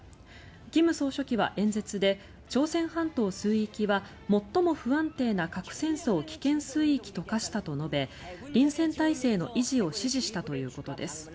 金総書記は演説で朝鮮半島水域は最も不安定な核戦争危険水域と化したと述べ臨戦態勢の維持を指示したということです。